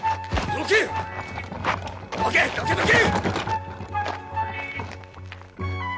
どけ！